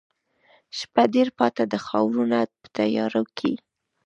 شپه ډېره پاته ده ښارونه په تیاروکې،